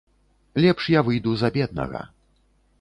Лепш я выйду за беднага.